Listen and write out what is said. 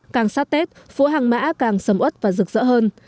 càng sát tết phố hàng mã càng sầm ớt và rực rỡ hơn